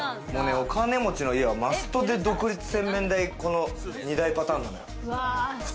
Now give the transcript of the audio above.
お金持ちの家はマストで独立洗面台、２台パターンよ。